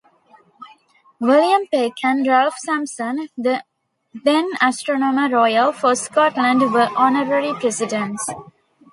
William Peck and Ralph Sampson, the then Astronomer Royal for Scotland, were honorary presidents.